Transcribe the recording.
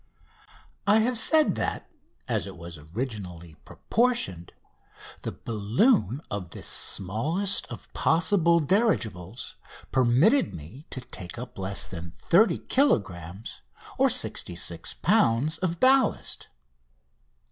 I have said that, as it was originally proportioned, the balloon of this smallest of possible dirigibles permitted me to take up less than 30 kilogrammes (66 lbs.) of ballast.